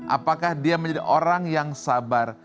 apakah dia menjadi orang yang sabar